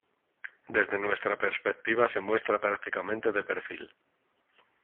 Desde nuestra perspectiva se muestra prácticamente de perfil.